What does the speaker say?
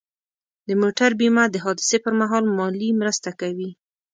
د موټر بیمه د حادثې پر مهال مالي مرسته کوي.